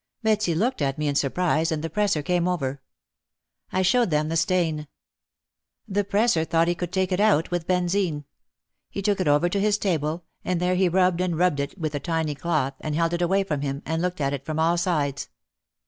Betsy looked at me in surprise and the presser came over. I showed them the stain. The presser thought he could take it out with benzine. He took it over to his table and there he rubbed and rubbed it with a tiny cloth, and held it away from him, and looked at it from all sides.